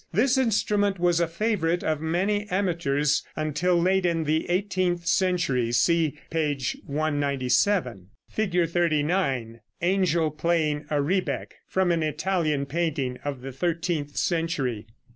This instrument was a favorite with many amateurs until late in the eighteenth century. (See p. 197.) [Illustration: Fig. 39. ANGEL PLAYING A REBEC. (From an Italian painting of the thirteenth century.)